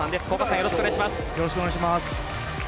よろしくお願いします。